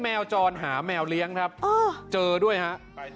แมวจรหาแมวเลี้ยงครับเจอด้วยฮะ